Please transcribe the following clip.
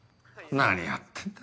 何やってんだ